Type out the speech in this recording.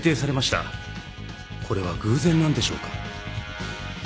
これは偶然なんでしょうか？